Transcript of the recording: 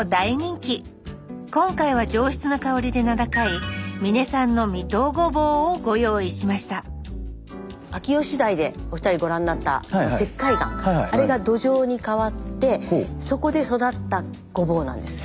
今回は上質な香りで名高い美祢産の美東ごぼうをご用意しました秋吉台でお二人ご覧になった石灰岩あれが土壌に変わってそこで育ったごぼうなんです。